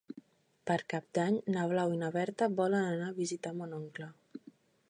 Per Cap d'Any na Blau i na Berta volen anar a visitar mon oncle.